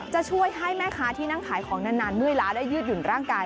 จะช่วยให้แม่ค้าที่นั่งขายของนานเมื่อยล้าได้ยืดหยุ่นร่างกาย